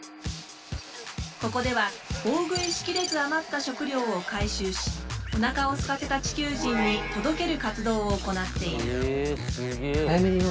ここでは大食いし切れず余った食料を回収しおなかをすかせた地球人に届ける活動を行っている。